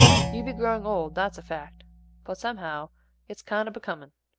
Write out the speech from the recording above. "You be growing old, that's a fact; but somehow it's kind of becomin'.